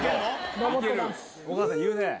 お母さん言うね。